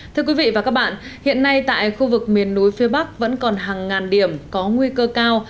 thưa quý vị và các bạn hiện nay tại khu vực miền núi phía bắc vẫn còn hàng ngàn điểm có nguy cơ cao